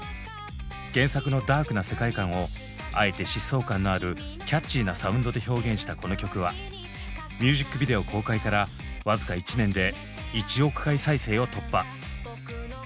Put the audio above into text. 原作のダークな世界観をあえて疾走感のあるキャッチーなサウンドで表現したこの曲はミュージックビデオ公開から僅か１年で１億回再生を突破。